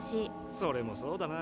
それもそうだな。